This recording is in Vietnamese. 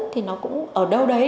thì nó cũng ở đâu đấy